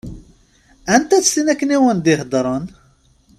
Anta-tt tin akken i wen-d-iheddṛen?